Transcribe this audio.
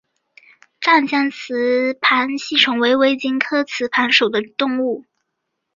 湛江雌盘吸虫为微茎科雌盘属的动物。